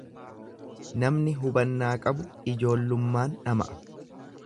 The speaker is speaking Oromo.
Namni hubannaa qabu ijoollummaan dhama'a.